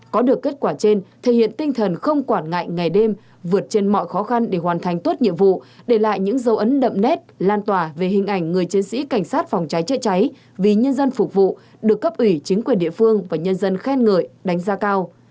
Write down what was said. có được kết quả trên thể hiện tinh thần không quản ngại ngày đêm vượt trên mọi khó khăn để hoàn thành tốt nhiệm vụ để lại những dấu ấn đậm nét lan tỏa về hình ảnh người chiến sĩ cảnh sát phòng cháy chữa cháy vì nhân dân phục vụ được cấp ủy chính quyền địa phương và nhân dân khen ngợi đánh giá cao